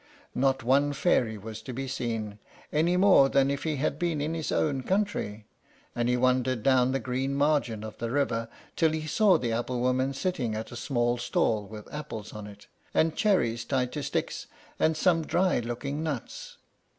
Not one fairy was to be seen, any more than if he had been in his own country, and he wandered down the green margin of the river till he saw the apple woman sitting at a small stall with apples on it, and cherries tied to sticks, and some dry looking nuts.